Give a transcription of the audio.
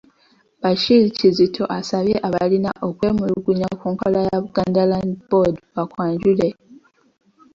Bashir Kizito asabye abalina okwemulugunya ku nkola ya Buganda Land Board bakwanjule.